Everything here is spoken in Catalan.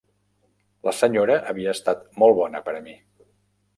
La senyora havia estat molt bona per a mi.